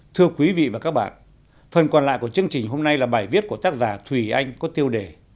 thưa quý vị và các bạn phần còn lại của chương trình hôm nay là bài viết của tác giả thùy anh có tiêu đề